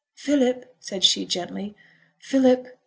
'Philip!' said she, gently. 'Philip!'